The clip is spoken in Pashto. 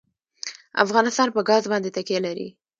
افغانستان په ګاز باندې تکیه لري.